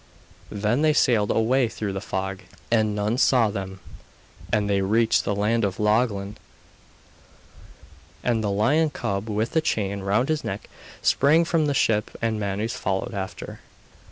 Then they sailed away through the fog, and none saw them; and they reached the land of Lochlann, and the lion cub with the chain round his neck sprang from the ship and Manus followed after.